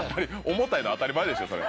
重たいの当たり前でしょうそれ。